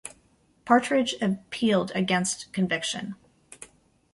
Partridge appealed against conviction.